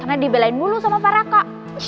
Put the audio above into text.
karena dibelain mulu sama para kak